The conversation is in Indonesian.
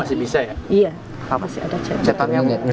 iya masih ada cetak